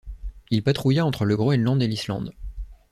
Il patrouilla entre le Groenland et l'Islande.